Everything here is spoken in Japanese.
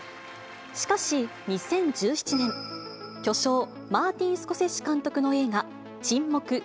しかし、２０１７年、巨匠、マーティン・スコセッシ監督の映画、沈黙ー